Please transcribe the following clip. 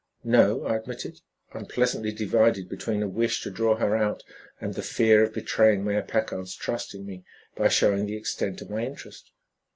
"No," I admitted, unpleasantly divided between a wish to draw her out and the fear of betraying Mayor Packard's trust in me by showing the extent of my interest.